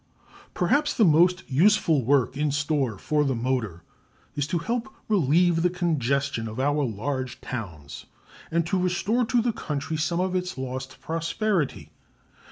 Perhaps the most useful work in store for the motor is to help relieve the congestion of our large towns and to restore to the country some of its lost prosperity.